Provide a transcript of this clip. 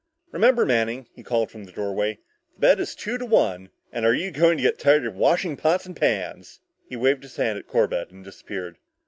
"Remember, Manning," he called from the doorway, "the bet is two to one, and are you going to get tired of washing pots and pans!" He waved his hand at Corbett and disappeared.